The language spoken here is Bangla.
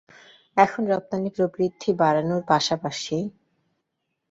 এখন রপ্তানি প্রবৃদ্ধি বাড়ানোর পাশাপাশি দেশি-বিদেশি বিনিয়োগ বৃদ্ধির প্রতি সরকারকে গুরুত্ব দিতে হবে।